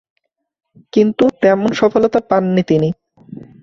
কিন্তু, তেমন সফলতা পাননি তিনি।